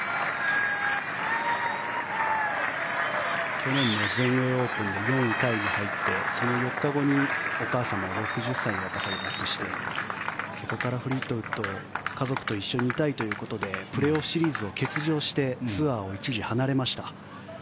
去年の全英オープンで４位タイに入ってその４日後にお母様を６０歳の若さで亡くしてそこからフリートウッドは家族と一緒にいたいということでプレーオフシリーズを欠場してツアーを一時、離れました。